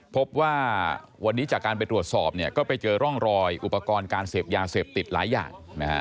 พบว่าวันนี้จากการไปตรวจสอบเนี่ยก็ไปเจอร่องรอยอุปกรณ์การเสพยาเสพติดหลายอย่าง